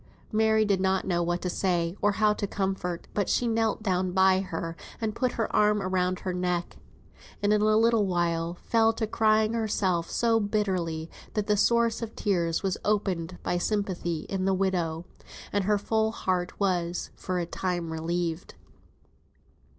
Mary did not know what to say, or how to comfort; but she knelt down by her, and put her arm round her neck, and in a little while fell to crying herself so bitterly, that the source of tears was opened by sympathy in the widow, and her full heart was, for a time, relieved.